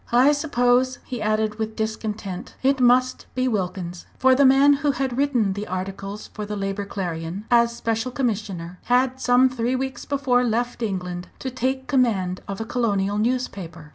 "I suppose," he added, with discontent, "it must be Wilkins." For the man who had written the articles for the Labour Clarion, as Special Commissioner, had some three weeks before left England to take command of a colonial newspaper.